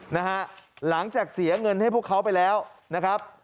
นะฮะหลังจากเสียเงินให้พวกเขาไปแล้วนะครับ